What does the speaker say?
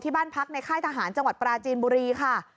บ้านพักในค่ายทหารจังหวัดปราจีนบุรีค่ะ